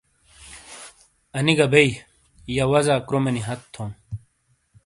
انی گہ بیئی، یہ وزا کرومینی ہت تھون۔